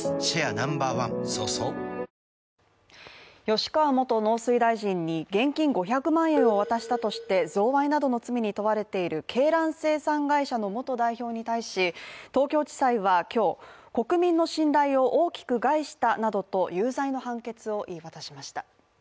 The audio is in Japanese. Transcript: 吉川元農水大臣に現金５００万円を渡したとして贈賄などの罪に問われている鶏卵生産会社の元代表に対し、東京地裁は今日国民の信頼を大きく害したなどと有罪の判決を言い渡しました。